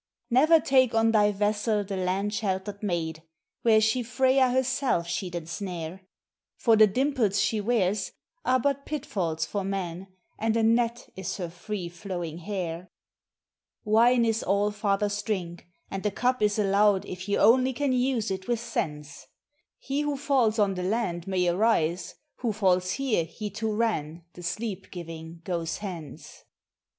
"Never take on thy vessel the land sheltered maid; were she Freyja herself she'd ensnare; For the dimples she wears are but pitfalls for men, and a net is her free flowing hair. "Wine is Allfather's drink, and the cup is allowed if you only can use it with sense; He who falls on the land may arise, who falls here he to Ran, the sleep giving, goes hence.